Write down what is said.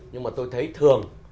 nhưng mà tôi thấy thường